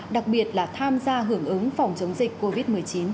đặc biệt là tham gia hưởng ứng phòng chống dịch covid một mươi chín